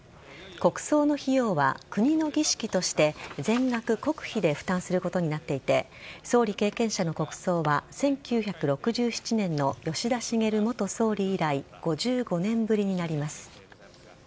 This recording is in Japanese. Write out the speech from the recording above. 国葬の費用は国の儀式として全額国費で負担することになっていて総理経験者の国葬は１９６７年の吉田茂元総理以来５５年ぶりになります。